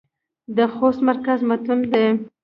د خوست مرکز متون دى.